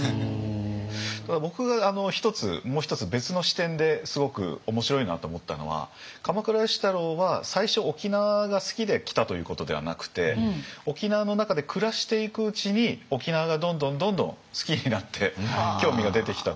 ただ僕がもう一つ別の視点ですごく面白いなと思ったのは鎌倉芳太郎は最初沖縄が好きで来たということではなくて沖縄の中で暮らしていくうちに沖縄がどんどんどんどん好きになって興味が出てきたという。